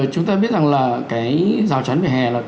chúng ta biết rằng là cái rào chắn về hè là